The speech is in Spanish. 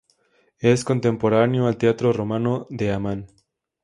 Es contemporáneo al teatro romano de Amán.